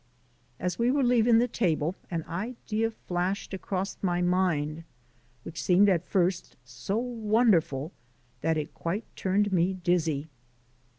As we were leaving the table an idea flashed across my mind which seemed, at first, so wonderful that it quite turned me dizzy.